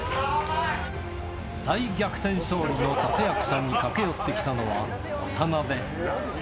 大逆転勝利の立て役者に駆け寄ってきたのは、渡邊。